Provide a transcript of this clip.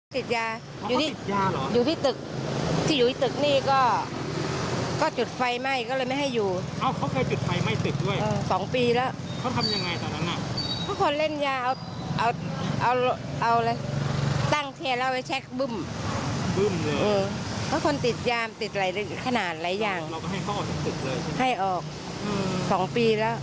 ๒ปีแล้วดีเลยวันนั้นที่เขามาเอาไปวันนี้ที่เขามาเอาไปเนี่ย